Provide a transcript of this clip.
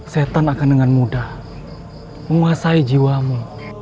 setan akan dengan mudah menguasai jiwamu